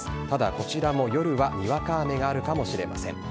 ただ、こちらも夜はにわか雨があるかもしれません。